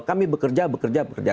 kami bekerja bekerja bekerja